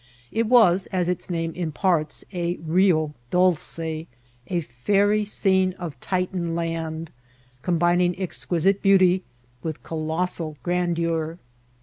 It was, as its name imports, a Rio Dolce, a fairy scene of Titan land, combining exquisite beauty with colossal gran deur.